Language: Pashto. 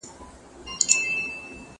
ليکلي پاڼي د زده کوونکي له خوا ترتيب کيږي؟!